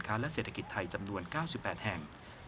คณะผู้แทนถาวรไทยสถานกรุงศูนยัยและสมัครงานการค้าและเศรษฐกิจไทยจำนวน๙๘แห่ง